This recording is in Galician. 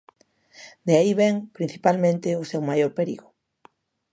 De aí vén, principalmente, o seu maior perigo.